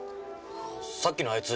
さっきのあいつ